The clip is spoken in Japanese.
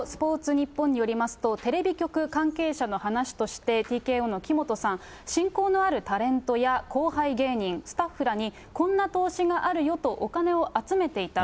ニッポンによりますと、テレビ局関係者の話として、ＴＫＯの木本さん、親交のあるタレントや後輩芸人、スタッフらに、こんな投資があるよとお金を集めていた。